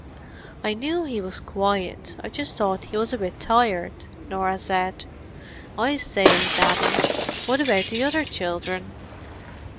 "I knew he was quiet; I just thought he was a bit tired," Norah said. "I say, Daddy, what about the other children?"